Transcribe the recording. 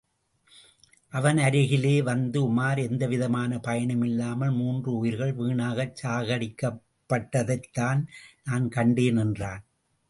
அவன் அருகிலே வந்த உமார், எந்தவிதமான பயனுமில்லாமல், மூன்று உயிர்கள் வீணாகச் சாகடிக்கப்பட்டதைதான் நான் கண்டேன் என்றான்.